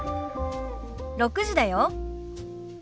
６時だよ。